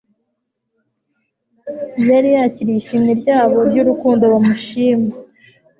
yari yakiriye ishimwe ryabo ry'urukundo bamushilna,